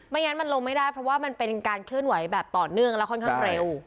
งั้นมันลงไม่ได้เพราะว่ามันเป็นการเคลื่อนไหวแบบต่อเนื่องแล้วค่อนข้างเร็ว